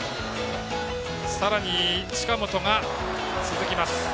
さらに近本が続きます。